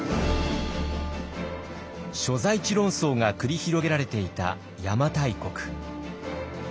所在地論争が繰り広げられていた邪馬台国。